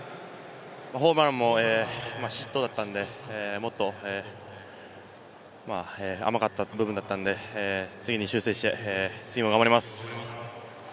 ホームランも失投だったんで、甘かった部分だったんで、次に修正して、次も頑張ります！